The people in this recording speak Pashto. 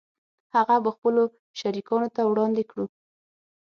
هغه به خپلو شریکانو ته وړاندې کړو